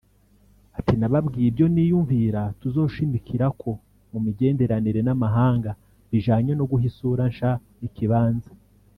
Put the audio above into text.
Ati "nababwiye ivyo niyumvira tuzoshimikirako mu migenderanire n'amahanga bijanye no guha isura nsha n'ikibanza